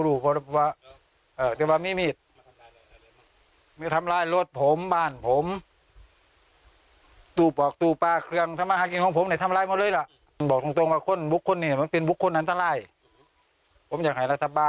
เรื่องรัฐทีครับ